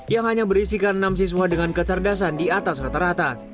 yang hanya berisikan enam siswa dengan kecerdasan di atas rata rata